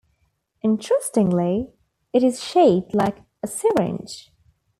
Interestingly, it is shaped like a syringe.